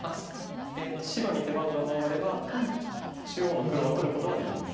白に手番が回れば中央の黒は取ることはできます。